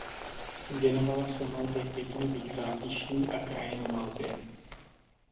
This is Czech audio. Věnovala se malbě květinových zátiší a krajinomalbě.